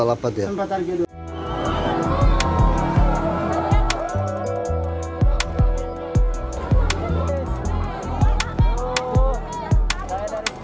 sempat harga dua puluh delapan